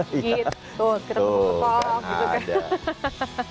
gitu tuh tuh tuh tuh tuh